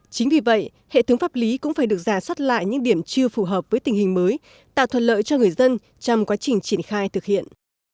chính vì vậy hệ thống pháp lý cũng phải được giả soát lại những điểm chưa phù hợp với tình hình mới tạo thuận lợi cho người dân trong quá trình triển khai thực hiện